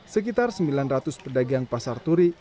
sekitar sembilan ratus pedagang pasar turi